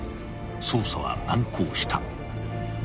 ［捜査は難航した］